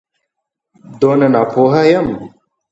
دونه ناپوه یم.